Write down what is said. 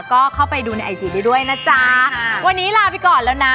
ก็เข้าไปดูในไอจีได้ด้วยนะจ๊ะวันนี้ลาไปก่อนแล้วนะ